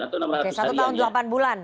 oke satu tahun delapan bulan